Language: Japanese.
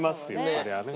そりゃあね。